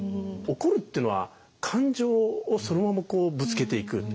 怒るっていうのは感情をそのままぶつけていく。